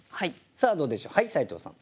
さあどうでしょうはい斉藤さん。